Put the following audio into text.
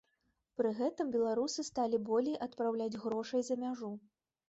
Пры гэтым беларусы сталі болей адпраўляць грошай за мяжу.